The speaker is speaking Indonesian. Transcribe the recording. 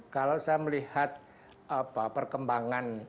kalau saya melihat perkembangan